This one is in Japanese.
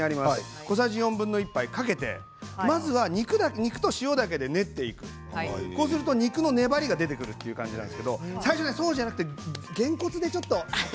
小さじ４分の１杯かけてまずは肉と塩だけで練っていくこうすると肉の粘りが出てくるという感じなんですけど最初はそうじゃなくてげんこつで。